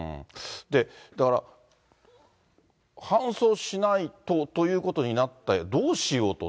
だから、搬送しないとということになって、どうしようと。